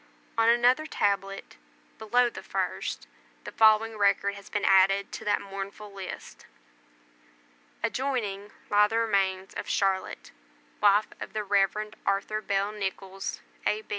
On another tablet, below the first, the following record has been added to that mournful list: ADJOINING LIE THE REMAINS OF CHARLOTTE, WIFE OF THE REV. ARTHUR BELL NICHOLLS, A.